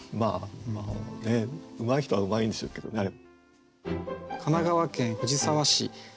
まあうまい人はうまいんでしょうけどねあれ。